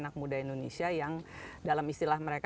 anak muda indonesia yang dalam istilah mereka